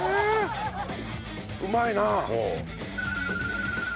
うまいなあ。